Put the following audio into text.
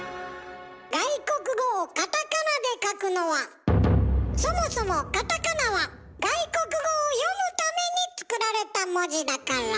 外国語をカタカナで書くのはそもそもカタカナは外国語を読むために作られた文字だから。